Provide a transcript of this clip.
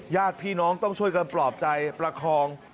ญาติพี่น้องต้องช่วยกันปลอบใจประคอง